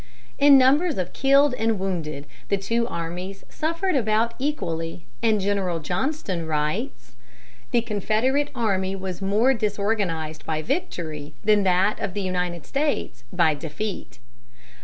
In numbers of killed and wounded, the two armies suffered about equally; and General Johnston writes: "The Confederate army was more disorganized by victory than that of the United States by defeat."